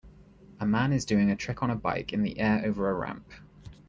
A man is doing a trick on a bike in the air over a ramp.